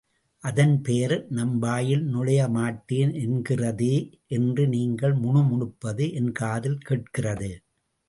அதன் பெயர் நம் வாயில் நுழையமாட்டேன் என்கிறதே என்று நீங்கள் முணுமுணுப்பது என் காதில் கேட்கிறது.